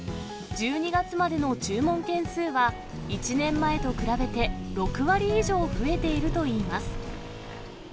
１２月までの注文件数は、１年前と比べて６割以上増えているといいます。